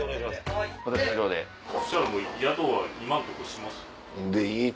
はい。